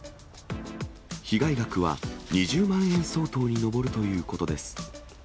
被害額は２０万円相当に上るということです。